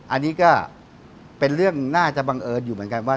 อันนี้ก็เป็นเรื่องน่าจะบังเอิญอยู่เหมือนกันว่า